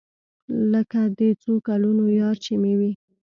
لکه د څو کلونو يار چې مې وي.